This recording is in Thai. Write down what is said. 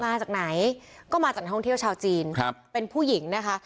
มาจากไหนก็มาจากท่องเที่ยวชาวจีนครับเป็นผู้หญิงนะคะ